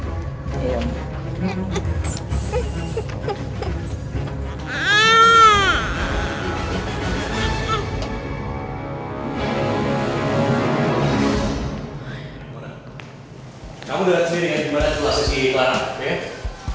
masih mau berantem